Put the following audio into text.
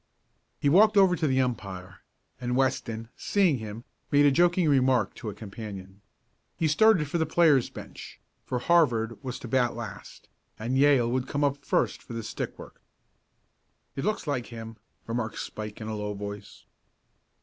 He walked over to the umpire, and Weston, seeing him, made a joking remark to a companion. He started for the players' bench, for Harvard was to bat last, and Yale would come up first for the stick work. "It looks like him," remarked Spike in a low voice.